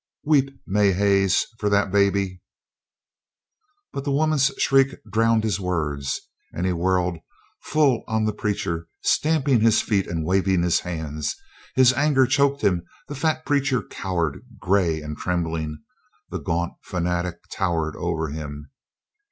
Weep, May Haynes, for that baby " But the woman's shriek drowned his words, and he whirled full on the preacher, stamping his feet and waving his hands. His anger choked him; the fat preacher cowered gray and trembling. The gaunt fanatic towered over him.